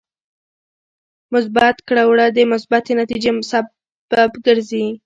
مثبت کړه وړه د مثبتې نتیجې سبب ګرځي.